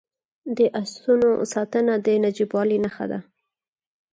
د اسونو ساتنه د نجیبوالي نښه ده.